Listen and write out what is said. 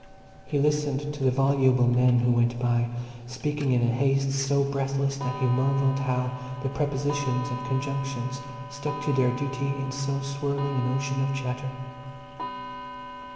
He listened to the voluble men who went by, speaking in a haste so breathless that he marvelled how the prepositions and conjunctions stuck to their duty in so swirling an ocean of chatter.